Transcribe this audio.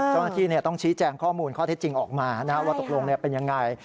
เจ้าหน้าที่ต้องชี้แจงข้อมูลข้อเท็จจริงออกมาว่าตกลงเป็นยังไง